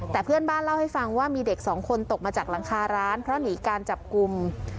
แต่เพื่อนบ้านเล่าให้ฟังว่ามีเด็กสองคนตกมาจากหลังคาร้านเพราะหนีการจับกลุ่ม